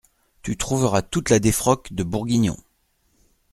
Tu trouveras toute la défroque de Bourguignon…